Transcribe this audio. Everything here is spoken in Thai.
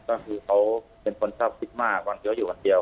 ก็คือเขาเป็นคนชอบคิดมากวันเดียวอยู่วันเดียว